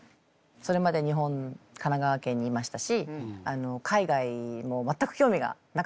それまで日本神奈川県にいましたし海外も全く興味がなかったんです。